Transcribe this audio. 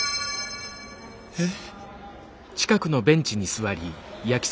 えっ。